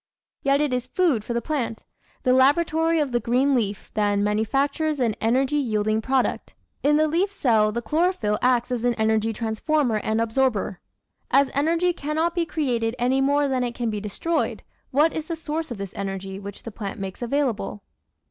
Yet it is food for the plant! The laboratory of the green leaf, then, manufactures an energy yielding product. In the leaf cell the chlorophyll acts as an energy transformer and absorber. As energy cannot be created any more than it can be destroyed, what is the source of this energy which the plant makes available?